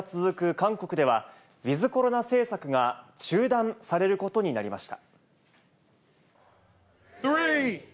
韓国では、ウィズコロナ政策が中断されることになりました。